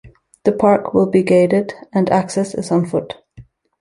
The park will be gated and access is on foot.